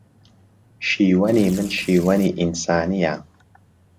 شیوەنی من شیوەنی ئینسانییە